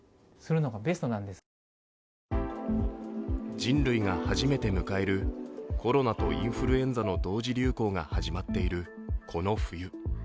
人類が初めて迎えるコロナとインフルエンザの同時流行が始まっているこの冬。